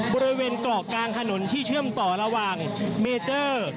บริเวณเกาะกลางถนนที่เชื่อมต่อระหว่างเมเจอร์